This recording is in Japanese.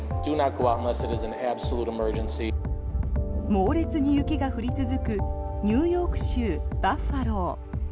猛烈に雪が降り続くニューヨーク州バファロー。